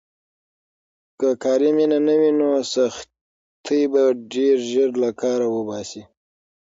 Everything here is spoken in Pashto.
که کاري مینه نه وي، نو سختۍ به دې ډېر ژر له کاره وباسي.